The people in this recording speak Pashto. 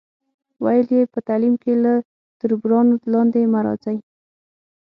ویل یې، په تعلیم کې له تربورانو لاندې مه راځئ.